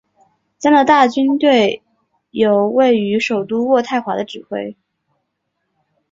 加拿大军队由位于首都渥太华的指挥。